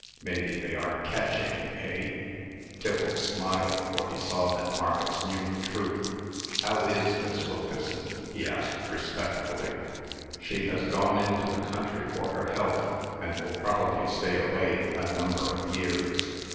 Maybe they are catching, eh?" Tiffles smiled, for he saw that Marcus knew the truth. "How is Miss Wilkeson?" he asked, respectfully. "She has gone into the country for her health, and will probably stay away a number of years.